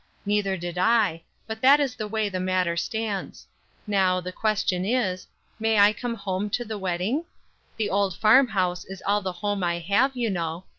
Neither did I, but that is the way the matter stands. Now, the question is: May I come home to the wedding? The old farm house is all the home I have, you know.